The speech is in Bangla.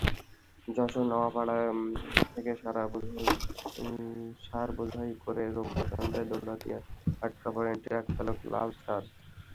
যশোর নওয়াপাড়া থেকে সারবোঝাই করে রোববার সন্ধ্যায় দৌলতদিয়ায় আটকা পড়েন ট্রাকচালক লাল চাঁদ।